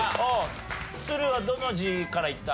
都留はどの字からいった？